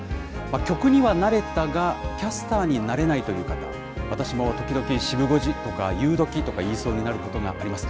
曲には慣れたが、キャスターに慣れないという方、私も時々、シブ５時とか、ゆうどきとか言いそうになることがあります。